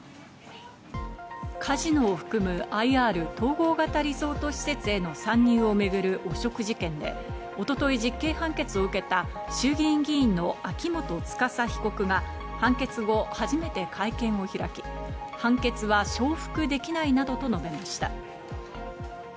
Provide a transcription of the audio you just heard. カジノを含むＩＲ＝統合型リゾート施設への参入を巡る汚職事件で、一昨日、実刑判決を受けた衆議院議員の秋元司被告が判決後、初めて会見を開き判決は承服できないなどと述べました。